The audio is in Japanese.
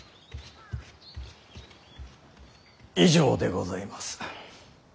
以上でございます。